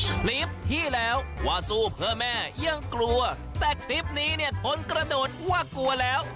คลิปที่แล้วว่าสู้เพื่อแม่ยังกลัวแต่คลิปนี้เนี่ยคนกระโดดว่ากลัวแล้ว